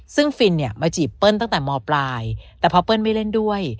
ซึ่งฟินเนี่ยมาจีบเปิ้ลตั้งแต่มปลายแต่พอเปิ้ลไม่เล่นด้วย